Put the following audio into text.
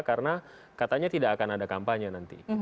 karena katanya tidak akan ada kampanye nanti